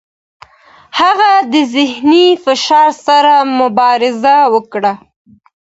هغه د ذهني فشار سره مبارزه وکړه.